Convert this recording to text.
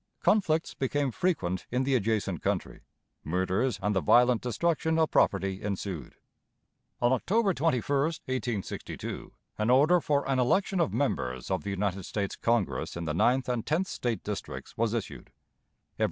Conflicts became frequent in the adjacent country. Murders and the violent destruction of property ensued. On October 21, 1862, an order for an election of members of the United States Congress in the ninth and tenth State districts was issued.